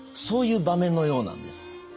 そういう場面のようなんです。